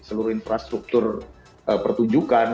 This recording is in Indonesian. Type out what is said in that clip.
seluruh infrastruktur pertunjukan